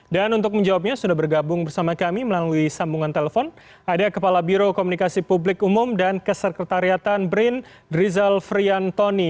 dan untuk menjawabnya sudah bergabung bersama kami melalui sambungan telepon ada kepala biro komunikasi publik umum dan kesekretariatan brin drizal friantoni